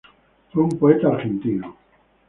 Fue un poeta argentino.